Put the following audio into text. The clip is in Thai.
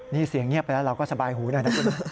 นี่เสียงเงียบไปแล้วเราก็สบายหูหน่อยนะคุณ